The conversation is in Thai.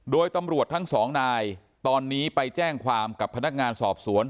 โดยตำรวจทั้งสองนายตอนนี้ไปแจ้งความกับพนักงานสอบสวน